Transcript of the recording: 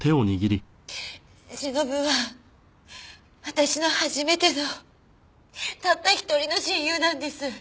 しのぶは私の初めてのたった一人の親友なんです。